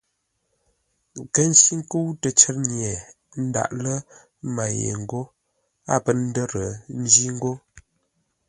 Kə̂ ncí nkə́u təcər nye, ə́ ndáʼ lə́ mə́ yé ńgó a pə́ ndə́rńjí ńgó.